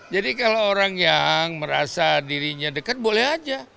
jadi kalau orang yang merasa dirinya dekat boleh aja